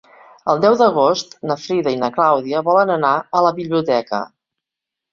El deu d'agost na Frida i na Clàudia volen anar a la biblioteca.